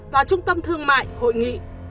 và trung tâm thương mại hội nghị